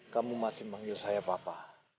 kamu masih manggil saya papa